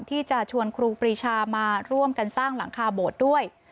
ที่จะชวนครูปรีชามาร่วมกันสร้างหลังคาโบสถ์ด้วย